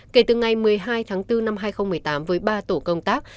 kể từ ngày một mươi hai tháng bốn năm hai nghìn một mươi tám với ba tổ công tác